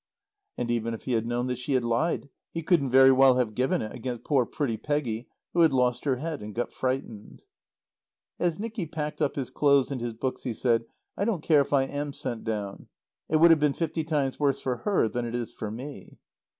And even if he had known that she had lied, he couldn't very well have given it against poor pretty Peggy who had lost her head and got frightened. As Nicky packed up his clothes and his books he said, "I don't care if I am sent down. It would have been fifty times worse for her than it is for me."